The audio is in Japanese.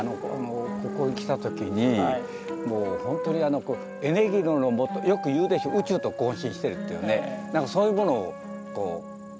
ここへ来た時にもうほんとにエネルギーのもとよく言うでしょ宇宙と交信してるっていうねなんかそういうものを感じたんですね。